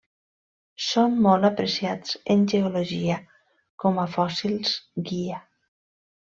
Són molt apreciats en geologia com a fòssils guia.